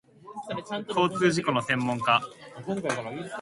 交通事故の専門家